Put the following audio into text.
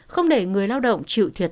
không để người lao động chịu thiệt